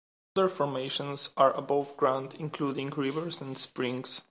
Other formations are above ground, including rivers and springs.